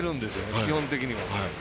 基本的には。